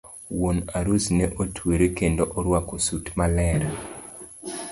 Wuon arus ne otwero kendo orwako sut maler.